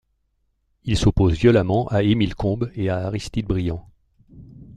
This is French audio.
Il s'oppose violemment à Emile Combes et à Aristide Briand.